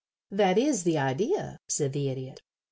"That is the idea," said the Idiot.